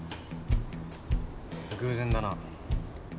偶然だな。